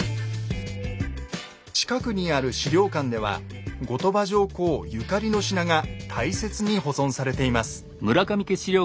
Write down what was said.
近くにある資料館では後鳥羽上皇ゆかりの品が大切に保存されています。